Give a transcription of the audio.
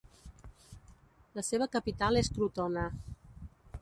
La seva capital és Crotona.